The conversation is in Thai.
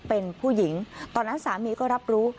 เป็นผู้หญิงตอนนั้นสามีก็รับรู้